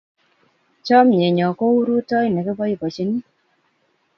Chomye nyo kou rutoi nekipoipoenjin